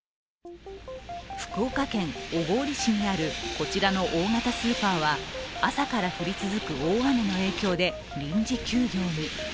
福岡県小郡市にある、こちらの大型スーパーは、朝から降り続く大雨の影響で臨時休業に。